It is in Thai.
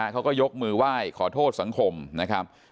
เขาก็ยกมือไหว้ขอโทษสังคมนะครับ